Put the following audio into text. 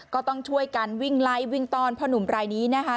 ก็ต้องช่วยกันวิ่งไล่วิ่งต้อนพ่อหนุ่มรายนี้นะคะ